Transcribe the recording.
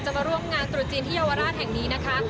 มาร่วมงานตรุษจีนที่เยาวราชแห่งนี้นะคะ